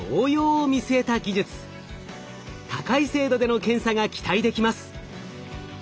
高い精度での検査が期待できます。